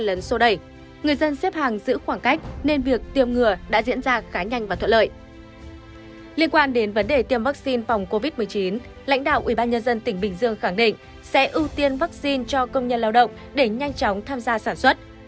liên quan đến vấn đề tiêm vaccine phòng covid một mươi chín lãnh đạo ubnd tỉnh bình dương khẳng định sẽ ưu tiên vaccine cho công nhân lao động để nhanh chóng tham gia sản xuất